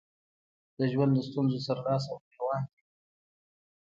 د ژوند له ستونزو سره لاس او ګرېوان دي.